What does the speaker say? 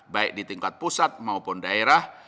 baik di tingkat pusat maupun daerah